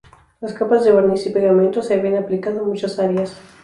Las capas de barniz y pegamento se habían aplicado a muchas áreas.